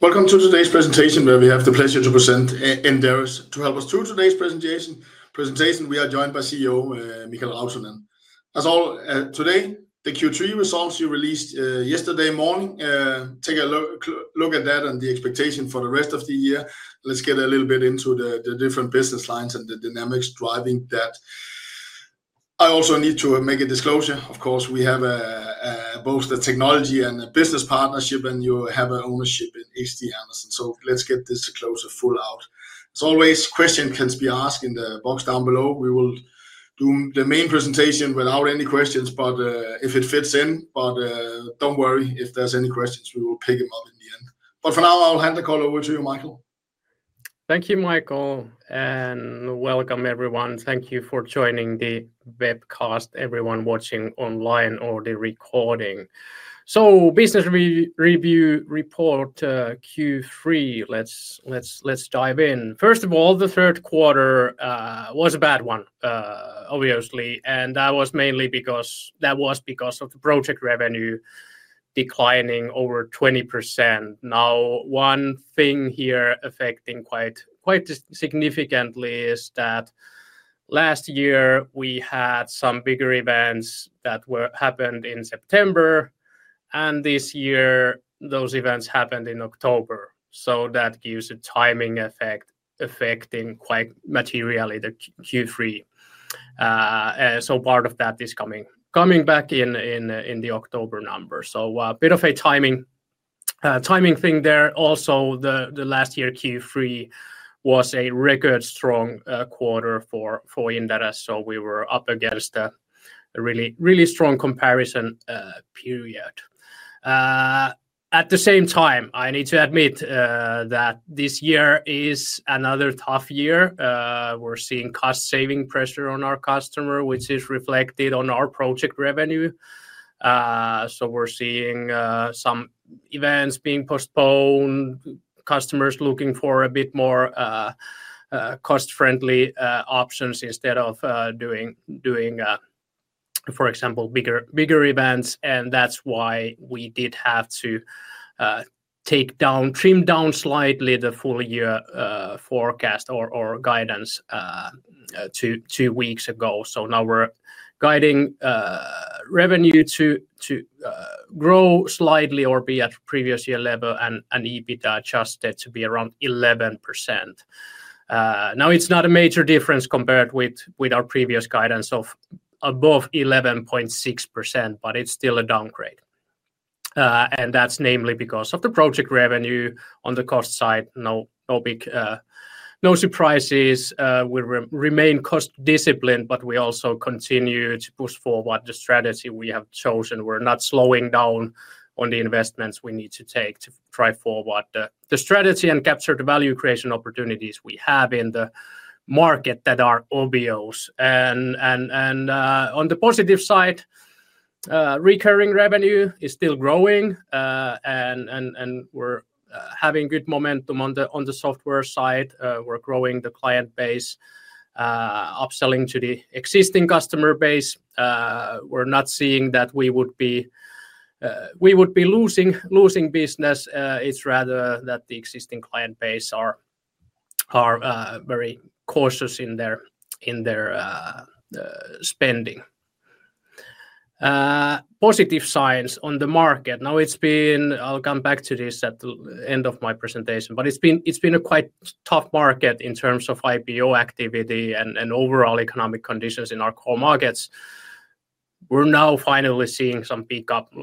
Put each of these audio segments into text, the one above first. Welcome to today's presentation, where we have the pleasure to present, and there is to help us through today's presentation. We are joined by CEO Mikael Rautanen. As all today, the Q3 results you released yesterday morning. Take a look at that and the expectation for the rest of the year. Let's get a little bit into the different business lines and the dynamics driving that. I also need to make a disclosure. Of course, we have both the technology and the business partnership, and you have ownership in XDHannes. Let's get this closer full out. As always, questions can be asked in the box down below. We will do the main presentation without any questions, if it fits in. If there's any questions, we will pick them up in the end. For now, I'll hand the call over to you, Mikael. Thank you, Michael, and welcome everyone. Thank you for joining the webcast, everyone watching online or the recording. Business review report Q3. Let's dive in. First of all, the third quarter was a bad one, obviously. That was mainly because that was because of the project revenue declining over 20%. One thing here affecting quite significantly is that last year we had some bigger events that happened in September, and this year those events happened in October. That gives a timing effect affecting quite materially the Q3. Part of that is coming back in the October number, so a bit of a timing thing there. Also, last year Q3 was a record strong quarter for Inderes. We were up against a really, really strong comparison period. At the same time, I need to admit that this year is another tough year. We're seeing cost saving pressure on our customer, which is reflected on our project revenue. We're seeing some events being postponed, customers looking for a bit more cost-friendly options instead of doing, for example, bigger events. That's why we did have to trim down slightly the full-year forecast or guidance two weeks ago. Now, we're guiding revenue to grow slightly or be at a previous year level, and EBITDA adjusted to be around 11%. It's not a major difference compared with our previous guidance of above 11.6%, but it's still a downgrade. That's namely because of the project revenue on the cost side. No surprises. We remain cost disciplined, but we also continue to push forward the strategy we have chosen. We're not slowing down on the investments we need to take to drive forward the strategy and capture the value creation opportunities we have in the market that are obvious. On the positive side, recurring revenue is still growing, and we're having good momentum on the software side. We're growing the client base, upselling to the existing customer base. We're not seeing that we would be losing business. It's rather that the existing client base are very cautious in their spending. Positive signs on the market. It's been, I'll come back to this at the end of my presentation, but it's been a quite tough market in terms of IPO activity and overall economic conditions in our core markets. We're now finally seeing some pickup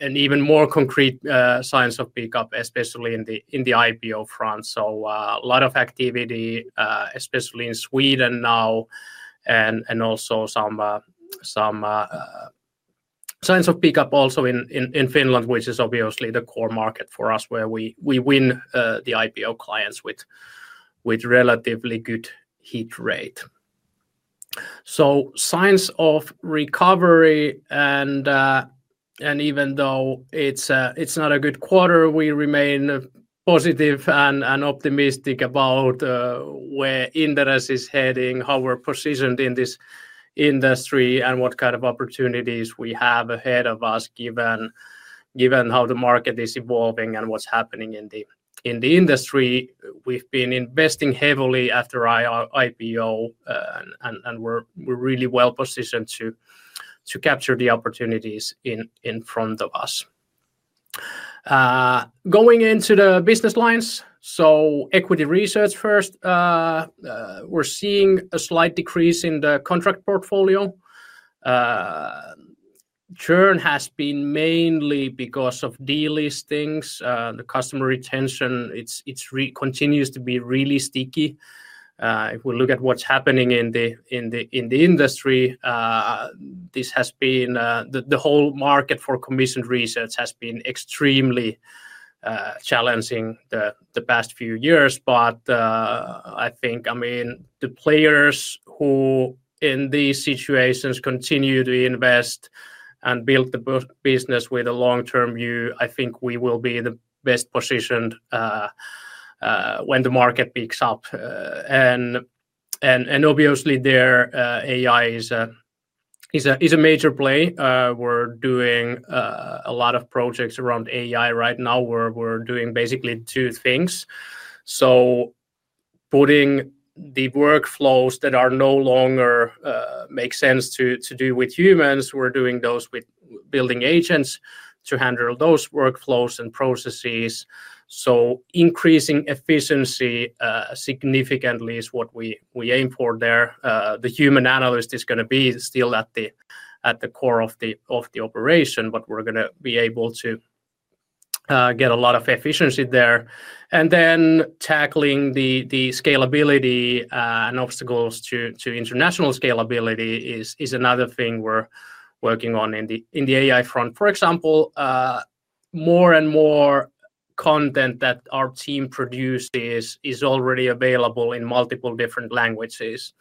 and even more concrete signs of pickup, especially in the IPO front. A lot of activity, especially in Sweden now, and also some signs of pickup also in Finland, which is obviously the core market for us, where we win the IPO clients with relatively good hit rate. Signs of recovery, and even though it's not a good quarter, we remain positive and optimistic about where Inderes is heading, how we're positioned in this industry, and what kind of opportunities we have ahead of us, given how the market is evolving and what's happening in the industry. We've been investing heavily after our IPO, and we're really well positioned to capture the opportunities in front of us. Going into the business lines, equity research first. We're seeing a slight decrease in the contract portfolio. Churn has been mainly because of delistings. The customer retention continues to be really sticky. If we look at what's happening in the industry, the whole market for commissioned research has been extremely challenging the past few years. I think the players who in these situations continue to invest and build the business with a long-term view, I think we will be in the best position when the market picks up. There, AI is a major play. We're doing a lot of projects around AI right now. We're doing basically two things: putting the workflows that no longer make sense to do with humans, we're doing those with building agents to handle those workflows and processes. Increasing efficiency significantly is what we aim for there. The human analyst is going to be still at the core of the operation, but we're going to be able to get a lot of efficiency there. Tackling the scalability and obstacles to international scalability is another thing we're working on in the AI front. For example, more and more content that our team produces is already available in multiple different languages.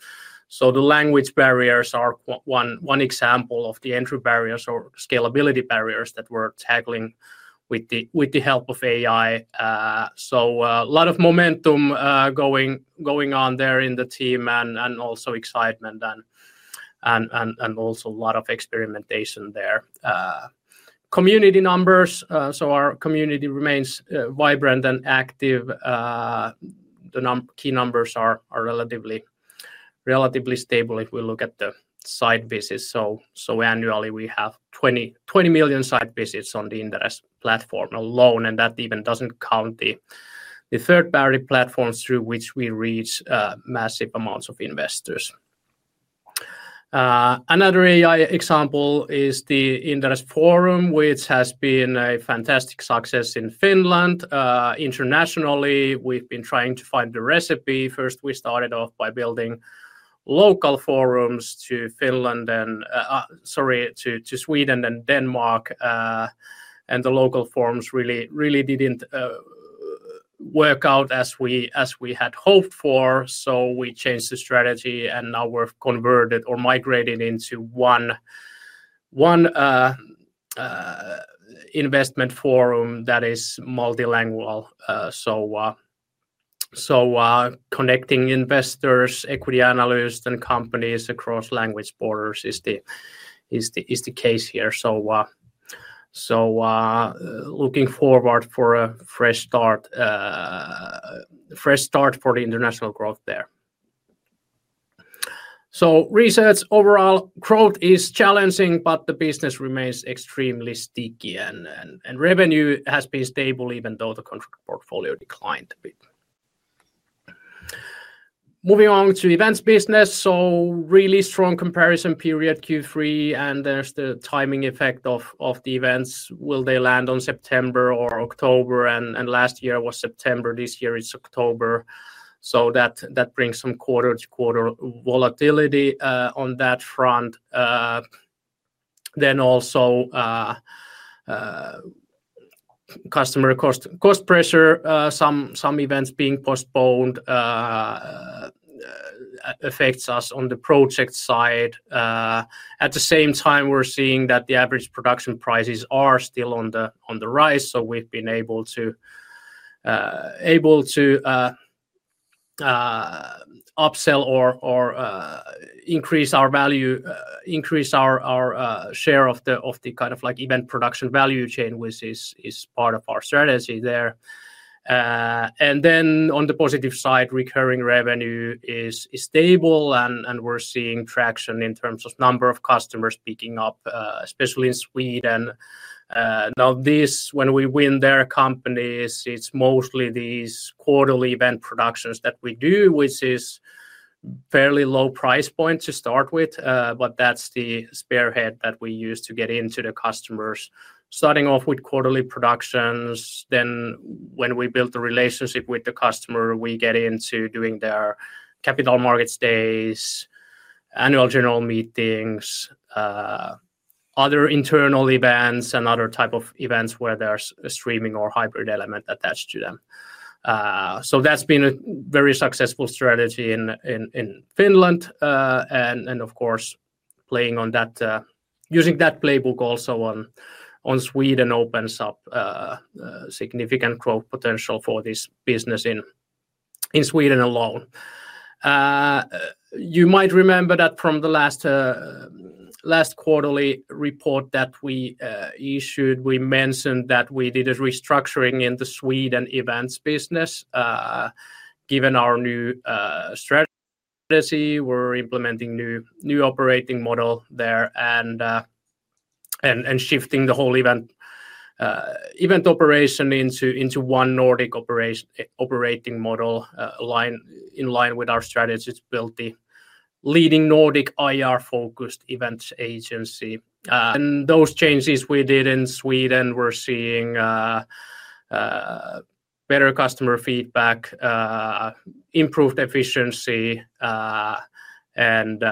The language barriers are one example of the entry barriers or scalability barriers that we're tackling with the help of AI. A lot of momentum going on there in the team and also excitement and also a lot of experimentation there. Community numbers, our community remains vibrant and active. The key numbers are relatively stable if we look at the site visits. Annually, we have 20 million site visits on the Inderes platform alone, and that even doesn't count the third-party platforms through which we reach massive amounts of investors. Another AI example is the Inderes Forum, which has been a fantastic success in Finland. Internationally, we've been trying to find the recipe. First, we started off by building local forums to Sweden and Denmark, and the local forums really didn't work out as we had hoped for. We changed the strategy, and now we've converted or migrated into one investment forum that is multilingual. Connecting investors, equity analysts, and companies across language borders is the case here. Looking forward for a fresh start for the international growth there. Research overall growth is challenging, but the business remains extremely sticky, and revenue has been stable even though the contract portfolio declined a bit. Moving on to events business. Really strong comparison period Q3, and there's the timing effect of the events. Will they land on September or October? Last year was September, this year it's October. That brings some quarter-to-quarter volatility on that front. Also, customer cost pressure, some events being postponed, affects us on the project side. At the same time, we're seeing that the average production prices are still on the rise, so we've been able to upsell or increase our value, increase our share of the kind of like event production value chain, which is part of our strategy there. On the positive side, recurring revenue is stable, and we're seeing traction in terms of number of customers picking up, especially in Sweden. Now this, when we win their companies, it's mostly these quarterly event productions that we do, which is a fairly low price point to start with, but that's the spearhead that we use to get into the customers. Starting off with quarterly productions, then when we build a relationship with the customer, we get into doing their capital markets days, annual general meetings, other internal events, and other types of events where there's a streaming or hybrid element attached to them. That's been a very successful strategy in Finland, and of course, playing on that, using that playbook also on Sweden opens up significant growth potential for this business in Sweden alone. You might remember that from the last quarterly report that we issued, we mentioned that we did a restructuring in the Sweden events business. Given our new strategy, we're implementing a new operating model there and shifting the whole event operation into one unified Nordic operating model in line with our strategy. It's built the leading Nordic IR-focused events agency. Those changes we did in Sweden, we're seeing better customer feedback, improved efficiency, and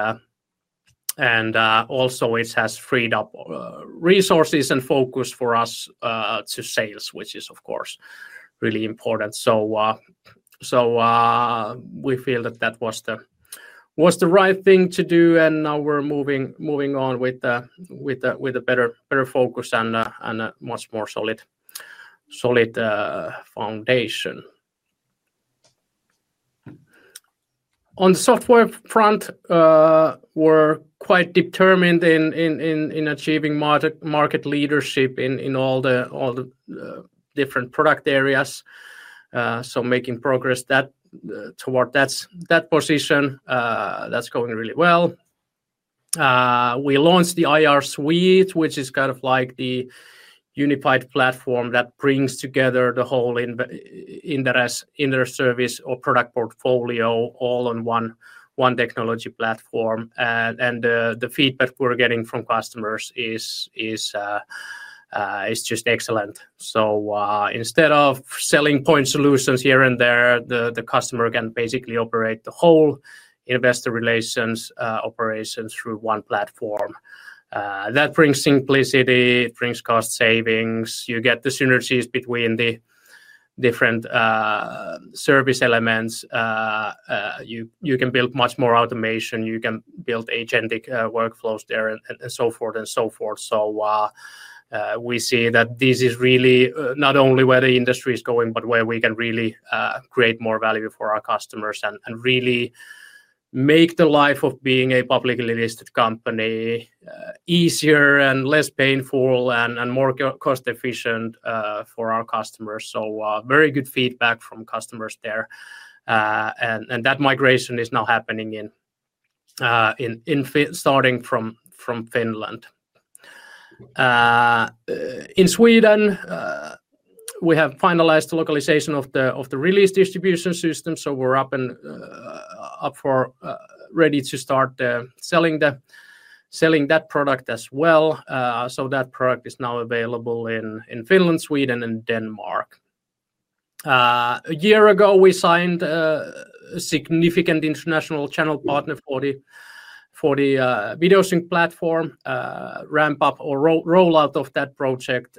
also it has freed up resources and focus for us to sales, which is, of course, really important. We feel that that was the right thing to do, and now we're moving on with a better focus and a much more solid foundation. On the software front, we're quite determined in achieving market leadership in all the different product areas. Making progress towards that position, that's going really well. We launched the IR Suite, which is kind of like the unified platform that brings together the whole Inderes service or product portfolio all on one technology platform. The feedback we're getting from customers is just excellent. Instead of selling point solutions here and there, the customer can basically operate the whole investor relations operations through one platform. That brings simplicity, it brings cost savings. You get the synergies between the different service elements. You can build much more automation, you can build agentic workflows there, and so forth and so forth. We see that this is really not only where the industry is going, but where we can really create more value for our customers and really make the life of being a publicly listed company easier and less painful and more cost-efficient for our customers. Very good feedback from customers there. That migration is now happening starting from Finland. In Sweden, we have finalized the localization of the release distribution system. We're ready to start selling that product as well. That product is now available in Finland, Sweden, and Denmark. A year ago, we signed a significant international channel partner for the Videosync platform. Ramp-up or rollout of that project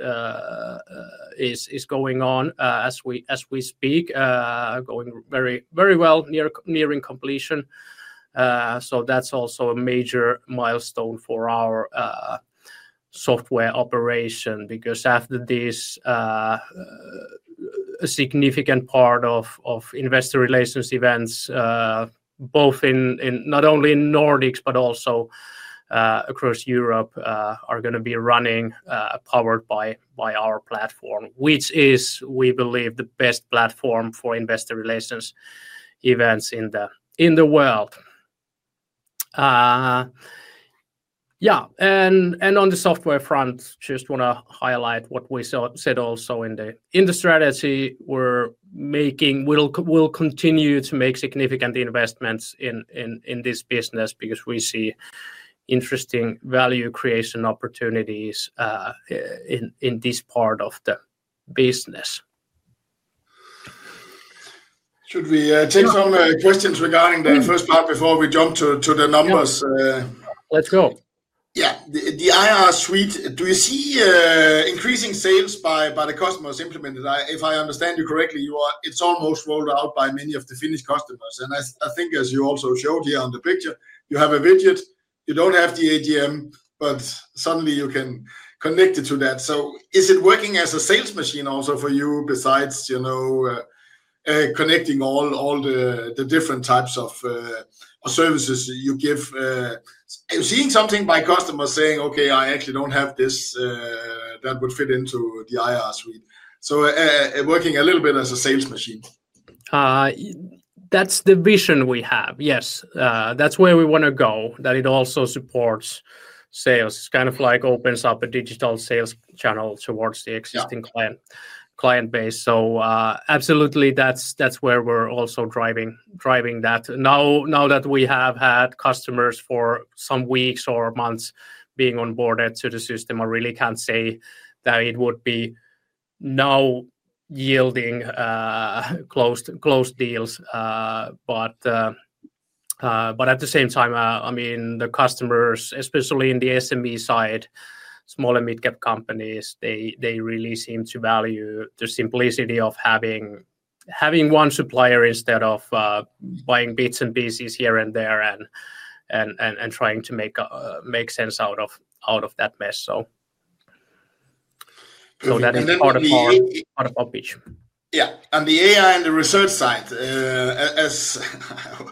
is going on as we speak, going very well, nearing completion. That's also a major milestone for our software operation because after this, a significant part of investor relations events, both not only in Nordics, but also across Europe, are going to be running powered by our platform, which is, we believe, the best platform for investor relations events in the world. On the software front, I just want to highlight what we said also in the strategy. We will continue to make significant investments in this business because we see interesting value creation opportunities in this part of the business. Should we take some questions regarding the first part before we jump to the numbers? Let's go. Yeah. The IR Suite, do you see increasing sales by the customers implemented? If I understand you correctly, it's almost rolled out by many of the Finnish customers. I think, as you also showed here on the picture, you have a widget. You don't have the ATM, but suddenly you can connect it to that. Is it working as a sales machine also for you, besides connecting all the different types of services you give? Are you seeing something by customers saying, "Okay, I actually don't have this that would fit into the IR Suite"? Working a little bit as a sales machine. That's the vision we have. Yes. That's where we want to go, that it also supports sales. It kind of opens up a digital sales channel towards the existing client base. Absolutely, that's where we're also driving that. Now that we have had customers for some weeks or months being onboarded to the system, I really can't say that it would be now yielding closed deals. At the same time, the customers, especially in the SME side, small and mid-cap companies, really seem to value the simplicity of having one supplier instead of buying bits and pieces here and there and trying to make sense out of that mess. That is part of our pitch. Yeah. The AI and the research side, as I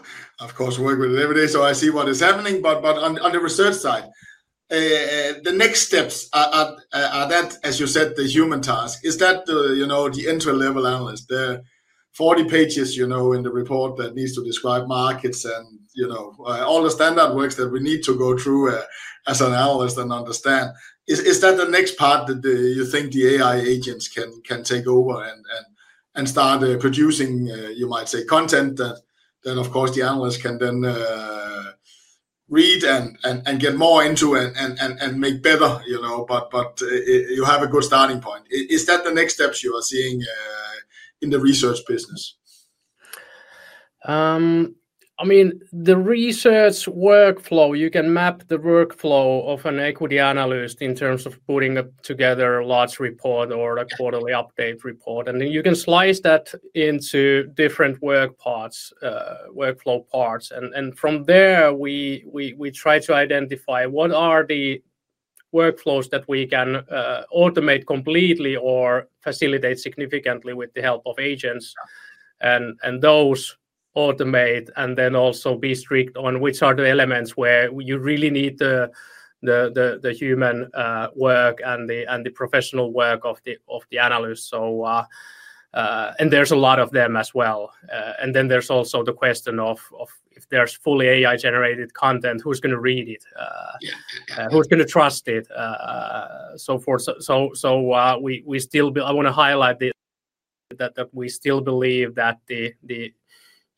of course work with it every day, so I see what is happening. On the research side, the next steps are that, as you said, the human task is that the entry-level analyst, there are 40 pages in the report that need to describe markets and all the standard works that we need to go through as an analyst and understand. Is that the next part that you think the AI agents can take over and start producing, you might say, content that, of course, the analyst can then read and get more into and make better? You have a good starting point. Is that the next steps you are seeing in the research business? I mean, the research workflow, you can map the workflow of an equity analyst in terms of putting together a large report or a quarterly update report. You can slice that into different workflow parts. From there, we try to identify what are the workflows that we can automate completely or facilitate significantly with the help of agents. Those automate, and then also be strict on which are the elements where you really need the human work and the professional work of the analyst. There's a lot of them as well. There's also the question of if there's fully AI-generated content, who's going to read it? Who's going to trust it? We still, I want to highlight that we still believe that the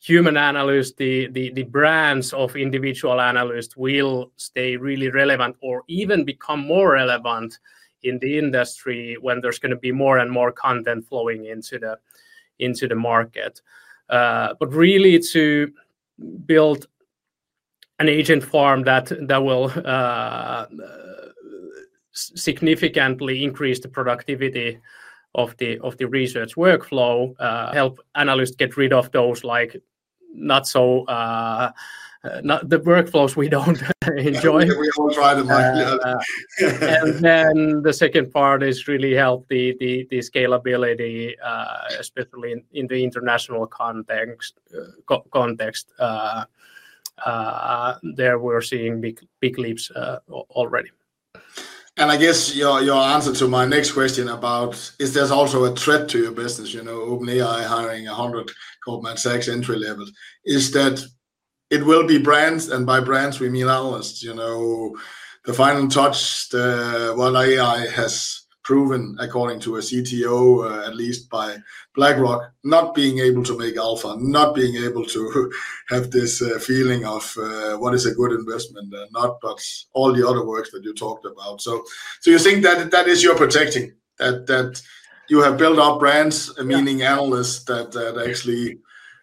human analyst, the brands of individual analysts will stay really relevant or even become more relevant in the industry when there's going to be more and more content flowing into the market. Really to build an agent farm that will significantly increase the productivity of the research workflow, help analysts get rid of those like not so the workflows we don't enjoy. We all try to like. The second part is really to help the scalability, especially in the international context. There we're seeing big leaps already. I guess your answer to my next question about is there's also a threat to your business, OpenAI hiring 100 Goldman Sachs entry-level, is that it will be brands, and by brands, we mean analysts. The final touch, what AI has proven according to a CTO, at least by BlackRock, not being able to make alpha, not being able to have this feeling of what is a good investment, not all the other works that you talked about. Do you think that that is your protecting, that you have built up brands, meaning analysts, that actually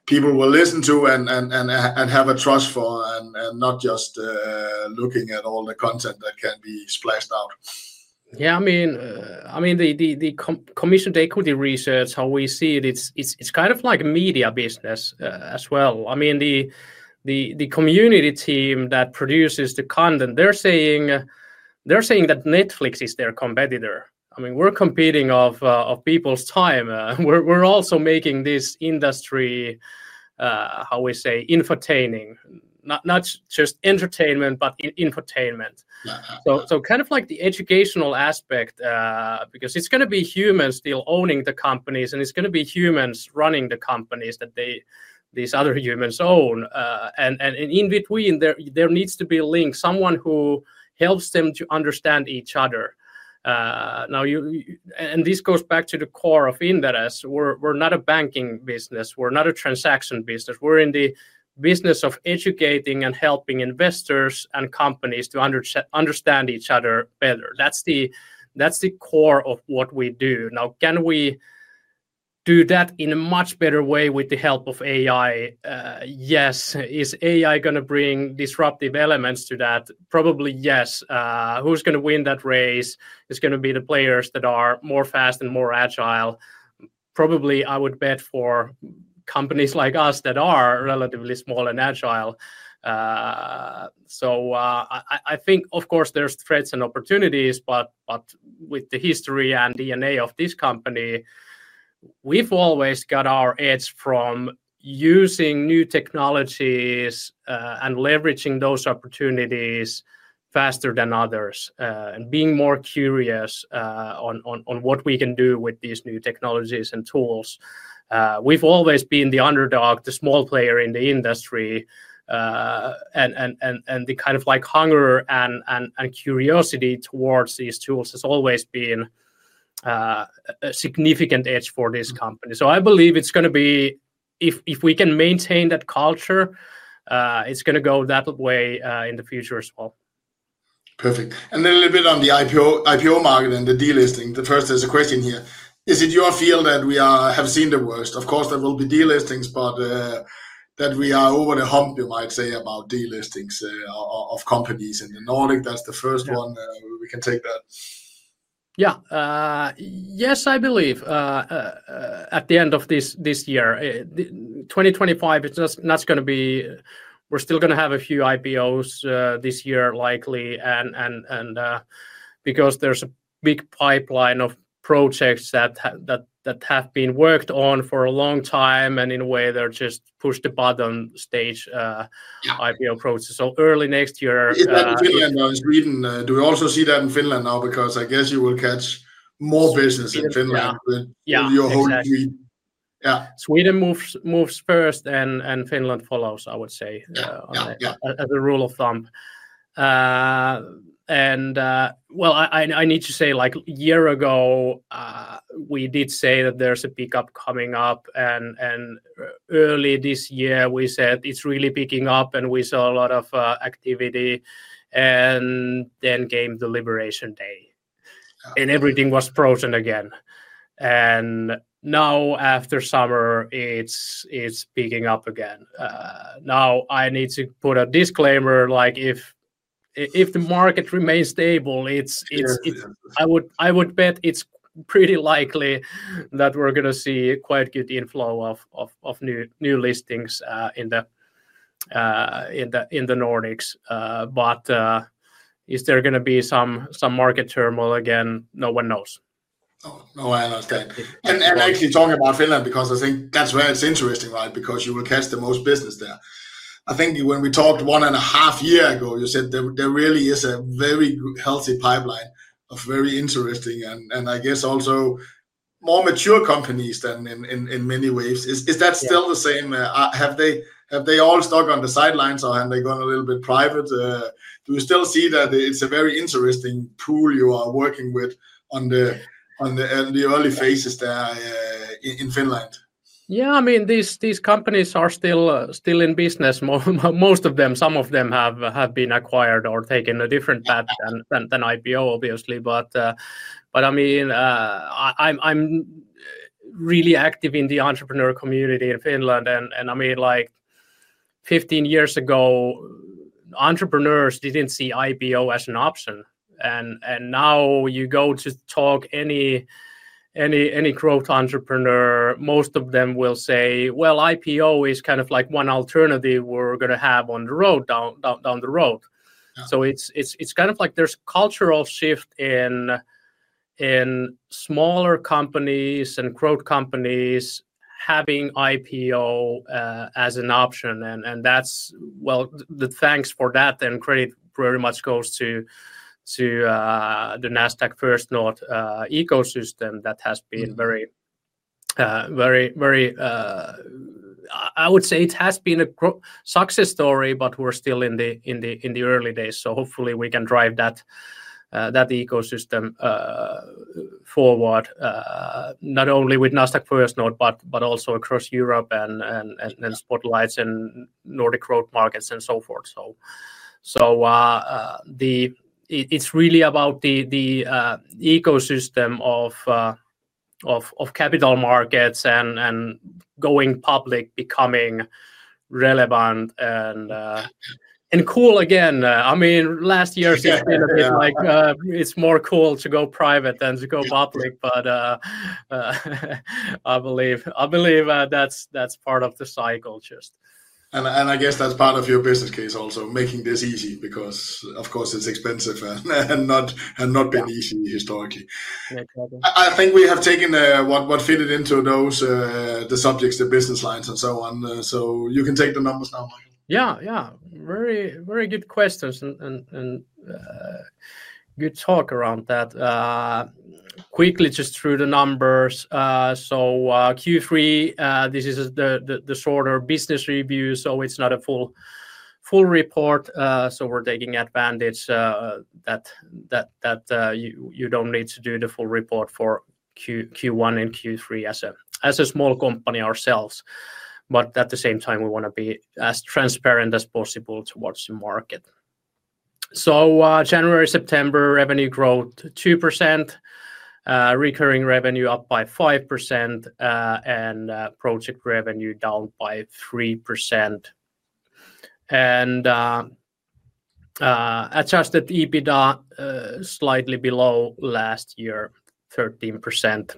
people will listen to and have a trust for, and not just looking at all the content that can be splashed out. I mean, the commissioned equity research, how we see it, it's kind of like a media business as well. The community team that produces the content, they're saying that Netflix is their competitor. We're competing for people's time. We're also making this industry, how we say, infotaining, not just entertainment, but infotainment. Kind of like the educational aspect, because it's going to be humans still owning the companies, and it's going to be humans running the companies that these other humans own. In between, there needs to be a link, someone who helps them to understand each other. This goes back to the core of Inderes. We're not a banking business. We're not a transaction business. We're in the business of educating and helping investors and companies to understand each other better. That's the core of what we do. Can we do that in a much better way with the help of AI? Yes. Is AI going to bring disruptive elements to that? Probably yes. Who's going to win that race? It's going to be the players that are more fast and more agile. Probably I would bet for companies like us that are relatively small and agile. I think, of course, there's threats and opportunities, but with the history and DNA of this company, we've always got our edge from using new technologies and leveraging those opportunities faster than others and being more curious on what we can do with these new technologies and tools. We've always been the underdog, the small player in the industry, and the kind of hunger and curiosity towards these tools has always been a significant edge for this company. I believe it's going to be, if we can maintain that culture, it's going to go that way in the future as well. Perfect. A little bit on the IPO market and the delisting. The first is a question here. Is it your field that we have seen the worst? Of course, there will be delistings, but that we are over the hump, you might say, about delistings of companies in the Nordics. That's the first one. We can take that. Yes, I believe at the end of this year, 2025, it's not going to be, we're still going to have a few IPOs this year, likely, because there's a big pipeline of projects that have been worked on for a long time, and in a way, they're just push the button stage IPO process. Early next year. Is that in Finland or in Sweden? Do we also see that in Finland now? I guess you will catch more business in Finland with your whole Sweden. Sweden moves first and Finland follows, I would say, as a rule of thumb. I need to say, like a year ago, we did say that there's a pickup coming up. Early this year, we said it's really picking up, and we saw a lot of activity. Then came the liberation day, and everything was frozen again. Now, after summer, it's picking up again. I need to put a disclaimer, like if the market remains stable, I would bet it's pretty likely that we're going to see quite good inflow of new listings in the Nordics. Is there going to be some market turmoil again? No one knows. Oh, no one knows. Okay. Actually, talking about Finland, because I think that's where it's interesting, right? You will catch the most business there. I think when we talked one and a half years ago, you said there really is a very healthy pipeline of very interesting and, I guess, also more mature companies in many ways. Is that still the same? Have they all stuck on the sidelines or have they gone a little bit private? Do you still see that it's a very interesting pool you are working with in the early phases there in Finland? Yeah. I mean, these companies are still in business. Most of them, some of them have been acquired or taken a different path than IPO, obviously. I mean, I'm really active in the entrepreneur community in Finland. I mean, 15 years ago, entrepreneurs didn't see IPO as an option. Now you go to talk to any growth entrepreneur, most of them will say, IPO is kind of like one alternative we're going to have on the road down the road. It's kind of like there's a cultural shift in smaller companies and growth companies having IPO as an option. The thanks for that, and credit very much goes to the Nasdaq First North ecosystem that has been very, very, very, I would say it has been a success story, but we're still in the early days. Hopefully, we can drive that ecosystem forward, not only with Nasdaq First North, but also across Europe and Spotlights and Nordic growth markets and so forth. It's really about the ecosystem of capital markets and going public, becoming relevant and cool again. I mean, last year's incident is like it's more cool to go private than to go public, but I believe that's part of the cycle just. I guess that's part of your business case also, making this easy because, of course, it's expensive and not been easy historically. Exactly. I think we have taken what fitted into those, the subjects, the business lines, and so on. You can take the numbers now, Michael. Very, very good questions and good talk around that. Quickly, just through the numbers. Q3, this is the shorter business review, so it's not a full report. We're taking advantage that you don't need to do the full report for Q1 and Q3 as a small company ourselves. At the same time, we want to be as transparent as possible towards the market. January to September, revenue growth 2%, recurring revenue up by 5%, and project revenue down by 3%. Adjusted EBITDA slightly below last year, 13%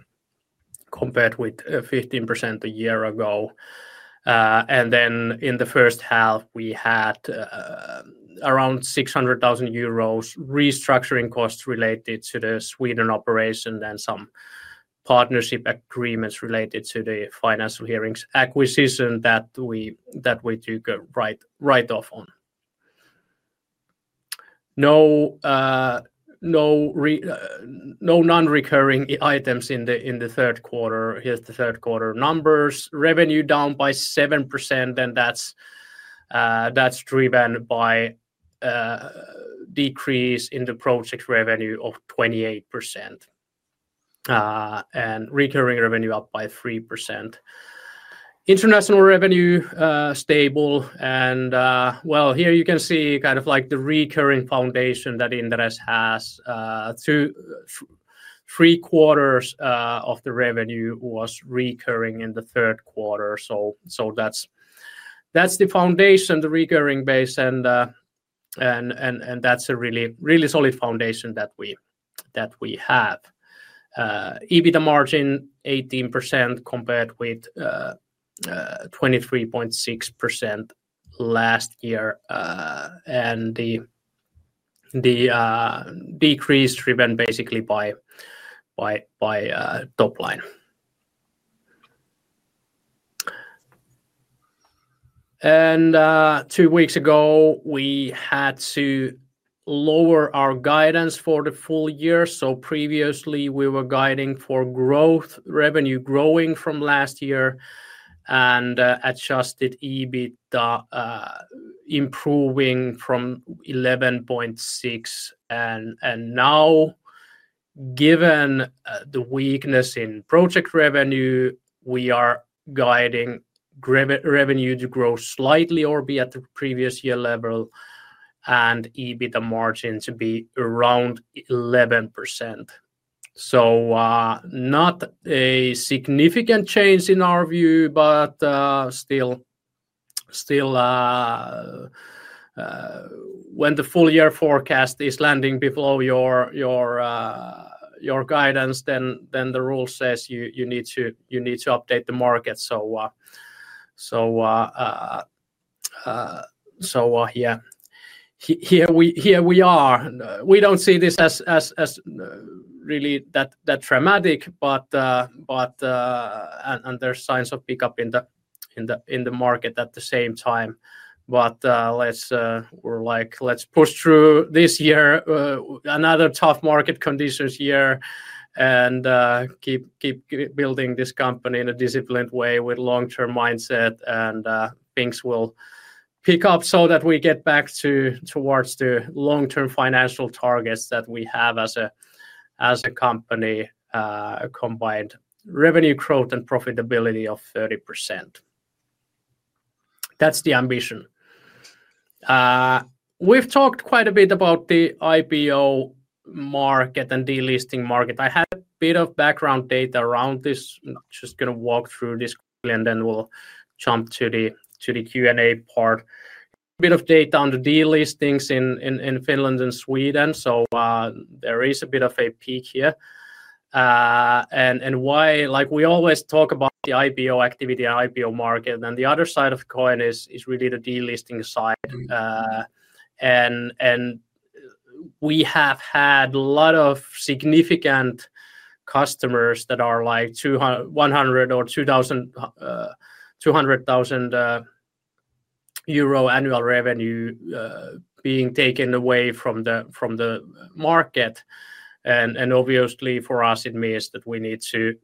compared with 15% a year ago. In the first half, we had around 600,000 euros restructuring costs related to the Sweden operation and some partnership agreements related to the Financial Hearings acquisition that we took a write-off on. No non-recurring items in the third quarter. Here's the third quarter numbers. Revenue down by 7%, and that's driven by a decrease in the project revenue of 28%. Recurring revenue up by 3%. International revenue stable. You can see kind of like the recurring foundation that Inderes has. Three quarters of the revenue was recurring in the third quarter. That's the foundation, the recurring base, and that's a really, really solid foundation that we have. EBITDA margin 18% compared with 23.6% last year. The decrease driven basically by top line. Two weeks ago, we had to lower our guidance for the full year. Previously, we were guiding for growth, revenue growing from last year, and adjusted EBITDA improving from 11.6%. Now, given the weakness in project revenue, we are guiding revenue to grow slightly or be at the previous year level and EBITDA margin to be around 11%. Not a significant change in our view, but still, when the full year forecast is landing below your guidance, the rule says you need to update the market. Here we are. We don't see this as really that dramatic, but there's signs of pickup in the market at the same time. Let's push through this year, another tough market conditions year, and keep building this company in a disciplined way with a long-term mindset. Things will pick up so that we get back towards the long-term financial targets that we have as a company, a combined revenue growth and profitability of 30%. That's the ambition. We've talked quite a bit about the IPO market and delisting market. I had a bit of background data around this. I'm just going to walk through this quickly, and then we'll jump to the Q&A part. A bit of data on the delistings in Finland and Sweden. There is a bit of a peak here. Why? Like we always talk about the IPO activity and IPO market. The other side of the coin is really the delisting side. We have had a lot of significant customers that are like 100,000 or 200,000 euro annual revenue being taken away from the market. Obviously, for us, it means that we need to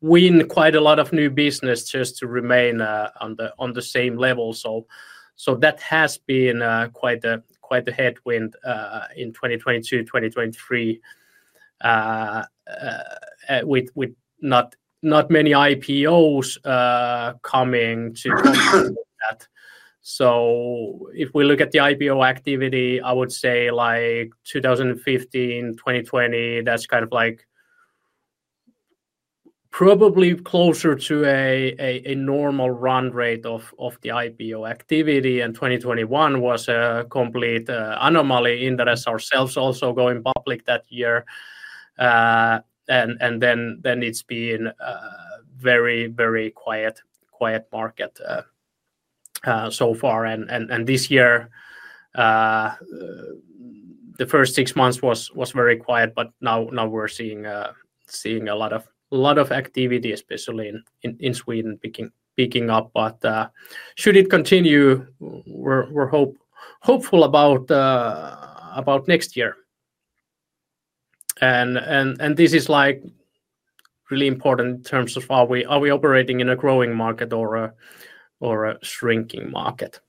win quite a lot of new business just to remain on the same level. That has been quite a headwind in 2022, 2023, with not many IPOs coming to that. If we look at the IPO activity, I would say like 2015, 2020, that's kind of like probably closer to a normal run rate of the IPO activity. 2021 was a complete anomaly. Inderes ourselves also going public that year. It's been a very, very quiet market so far. This year, the first six months was very quiet, but now we're seeing a lot of activity, especially in Sweden, picking up. Should it continue, we're hopeful about next year. This is really important in terms of are we operating in a growing market or a shrinking market.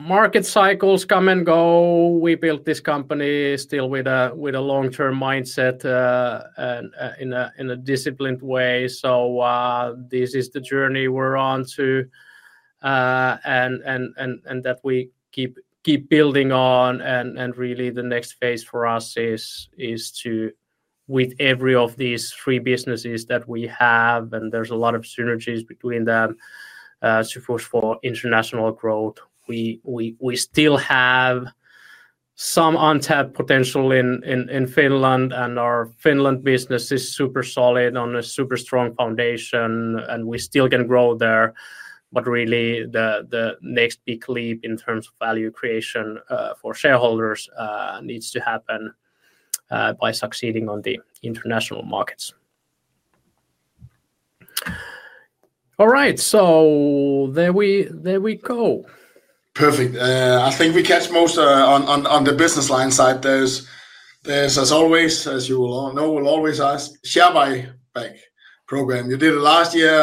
Market cycles come and go. We built this company still with a long-term mindset and in a disciplined way. This is the journey we're on to and that we keep building on. Really, the next phase for us is to, with every of these three businesses that we have, and there's a lot of synergies between them, push for international growth. We still have some untapped potential in Finland, and our Finland business is super solid on a super strong foundation, and we still can grow there. Really, the next big leap in terms of value creation for shareholders needs to happen by succeeding on the international markets. All right. There we go. Perfect. I think we catch most on the business line side. As always, as you will know, we'll always ask, share buyback program. You did it last year.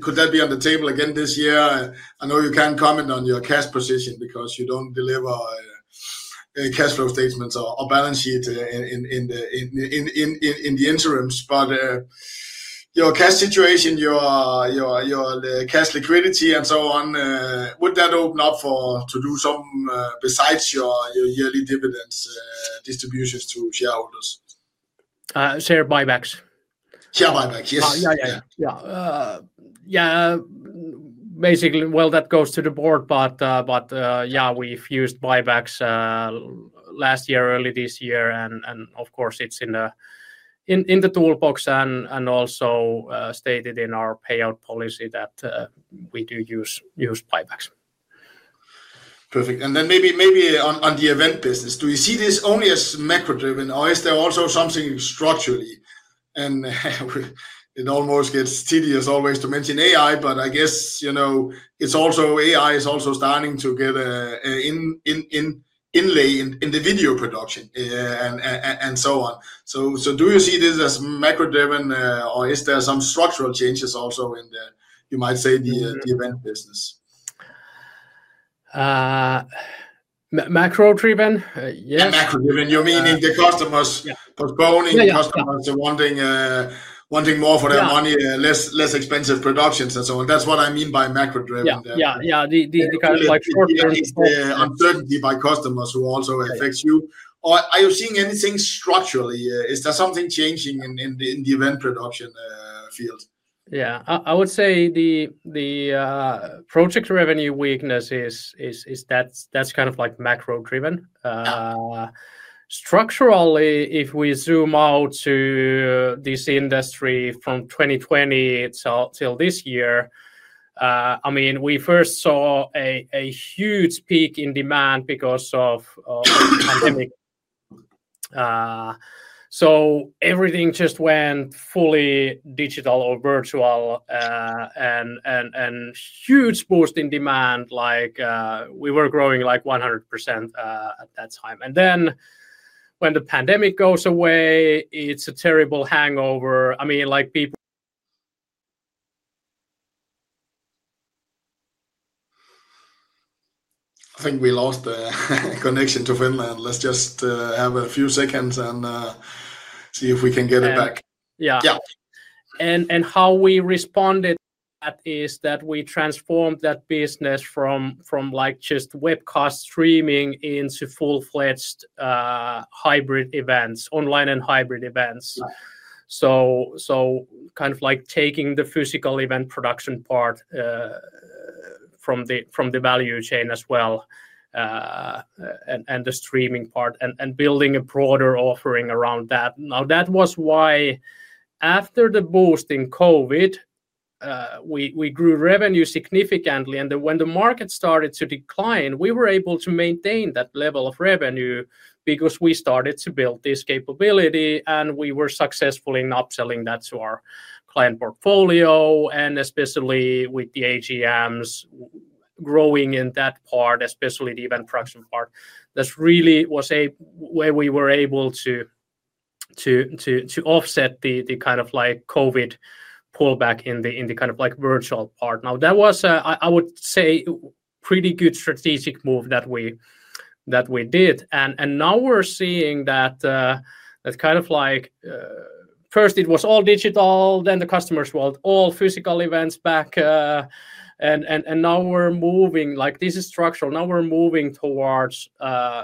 Could that be on the table again this year? I know you can't comment on your cash position because you don't deliver cash flow statements or balance sheet in the interims. Your cash situation, your cash liquidity, and so on, would that open up to do something besides your yearly dividend distributions to shareholders? Share buybacks. Share buybacks, yes. Basically, that goes to the board. We've used buybacks last year, early this year. Of course, it's in the toolbox and also stated in our payout policy that we do use buybacks. Perfect. Maybe on the event business, do you see this only as macro-driven, or is there also something structurally? It almost gets tedious always to mention AI, but I guess, you know, AI is also starting to get an inlay in the video production and so on. Do you see this as macro-driven, or is there some structural changes also in the, you might say, the event business? Macro-driven? Yes. Macro-driven, you meaning the customers postponing, the customers wanting more for their money, less expensive productions, and so on. That's what I mean by macro-driven. Yeah, yeah, yeah. The kind of like uncertainty by customers also affects you. Are you seeing anything structurally? Is there something changing in the event production field? Yeah. I would say the project revenue weakness is that that's kind of like macro-driven. Structurally, if we zoom out to this industry from 2020 till this year, I mean, we first saw a huge peak in demand because of the pandemic. Everything just went fully digital or virtual, and huge boost in demand, like we were growing like 100% at that time. When the pandemic goes away, it's a terrible hangover. I mean, like people. I think we lost the connection to Finland. Let's just have a few seconds and see if we can get it back. Yeah. Yeah. How we responded is that we transformed that business from just webcast streaming into full-fledged hybrid events, online and hybrid events. Kind of like taking the physical event production part from the value chain as well, and the streaming part, and building a broader offering around that. That was why after the boost in COVID, we grew revenue significantly. When the market started to decline, we were able to maintain that level of revenue because we started to build this capability, and we were successful in upselling that to our client portfolio. Especially with the AGMs growing in that part, especially the event production part, that really was a way we were able to offset the kind of like COVID pullback in the kind of like virtual part. That was, I would say, a pretty good strategic move that we did. Now we're seeing that first it was all digital, then the customers want all physical events back. Now we're moving, like this is structural. Now we're moving towards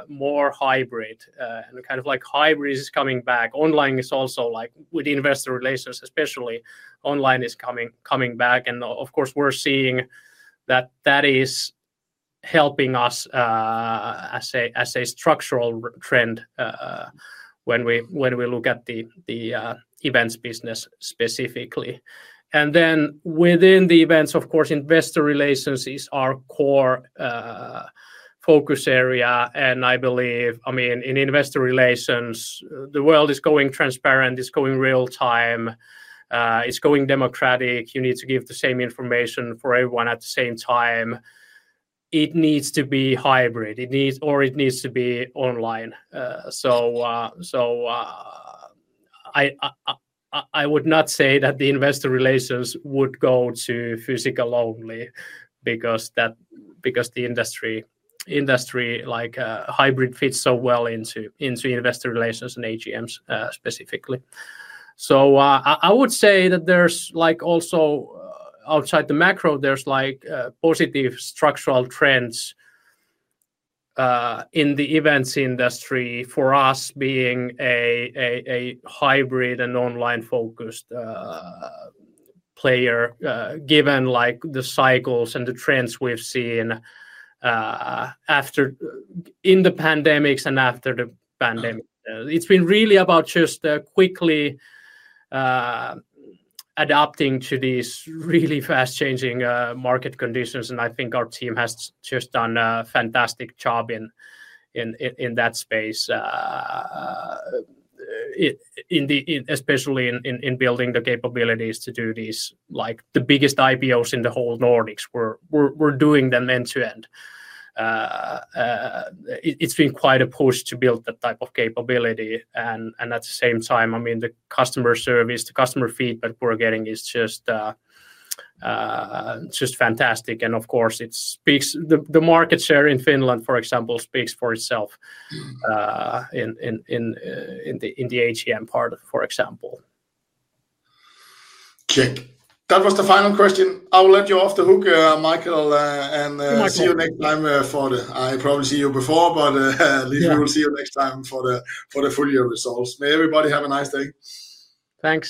more hybrid, and kind of like hybrid is coming back. Online is also like with investor relations, especially online is coming back. Of course, we're seeing that that is helping us as a structural trend when we look at the events business specifically. Within the events, of course, investor relations is our core focus area. I believe, I mean, in investor relations, the world is going transparent, it's going real-time, it's going democratic. You need to give the same information for everyone at the same time. It needs to be hybrid, or it needs to be online. I would not say that the investor relations would go to physical only because the industry, like hybrid, fits so well into investor relations and AGMs specifically. I would say that there's also outside the macro, there's positive structural trends in the events industry for us being a hybrid and online-focused player, given the cycles and the trends we've seen in the pandemics and after the pandemic. It's been really about just quickly adapting to these really fast-changing market conditions. I think our team has just done a fantastic job in that space, especially in building the capabilities to do these, like the biggest IPOs in the whole Nordics, we're doing them end-to-end. It's been quite a push to build that type of capability. At the same time, the customer service, the customer feedback we're getting is just fantastic. Of course, it speaks the market share in Finland, for example, speaks for itself in the AGM part, for example. Okay. That was the final question. I'll let you off the hook, Mikael, and see you next time for the full-year results. May everybody have a nice day. Thanks.